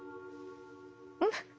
うん？